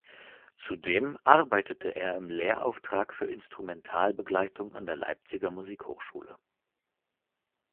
Zudem arbeitete er im Lehrauftrag für Instrumentalbegleitung an der Leipziger Musikhochschule.